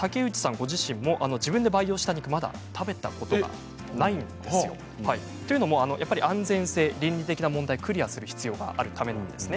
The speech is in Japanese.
ご自身も自分の培養した肉をまだ食べたことはないんですよ。というのも安全性や倫理的な問題などをクリアする必要があるからなんですね。